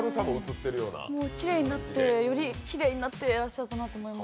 きれいになって、よりきれいになってらっしゃったなと思います。